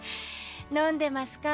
飲んでますか？